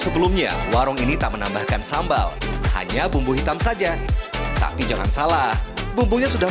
sebelumnya warung ini tak menambahkan sambal hanya bumbu hitam saja tapi jangan salah bumbunya sudah